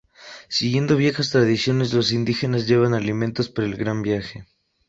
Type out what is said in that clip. Siguiendo viejas tradiciones, los indígenas llevan alimentos para el "Gran Viaje".